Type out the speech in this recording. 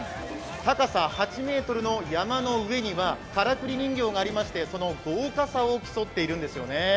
高さ８ｍの車山の上にはからくり人形がありましてその豪華さを競っているんですよね。